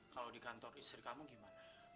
kalau di kantor istri kamu gimana